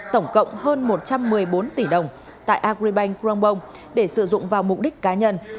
tổng cộng hơn một trăm một mươi bốn tỷ đồng tại agribank crongbong để sử dụng vào mục đích cá nhân